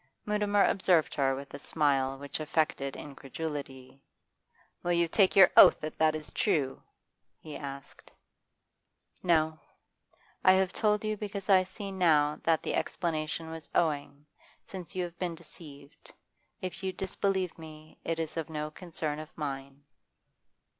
Mutimer observed her with a smile which affected incredulity. 'Will you take your oath that that is true?' he asked. 'No. I have told you because I now see that the explanation was owing, since you have been deceived. If you disbelieve me, it is no concern of mine.